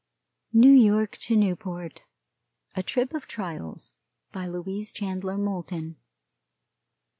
NEW YORK TO NEWPORT. A Trip of Trials. BY LOUISE CHANDLER MOULTON.